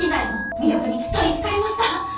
魅力に取りつかれました！